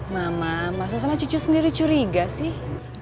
mama masa sama cucu sendiri curiga sih